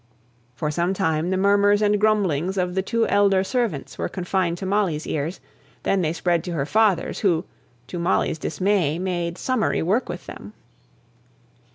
For some time the murmurs and grumblings of the two elder servants were confined to Molly's ears, then they spread to her father's, who, to Molly's dismay, made summary work with them.